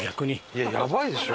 いややばいでしょ。